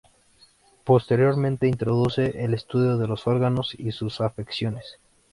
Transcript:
Posteriormente introduce el estudio de los órganos y sus afecciones.